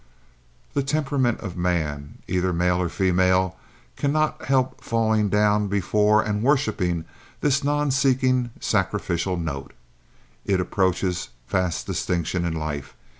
The temperament of man, either male or female, cannot help falling down before and worshiping this nonseeking, sacrificial note. It approaches vast distinction in life.